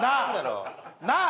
なあ。